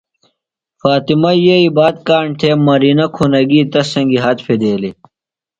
۔فاطمہ یئی بات کاݨ تھےۡ مرینہ کُھنہ گیۡ تس سنگیۡ ہات پھدیلیۡ۔